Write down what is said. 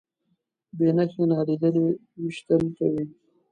بې نښې نالیدلي ویشتل کوي.